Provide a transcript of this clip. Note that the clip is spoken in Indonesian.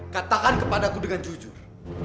katakan kepadaku dengan jujur